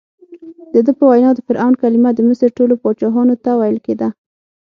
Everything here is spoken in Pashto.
دده په وینا د فرعون کلمه د مصر ټولو پاچاهانو ته ویل کېده.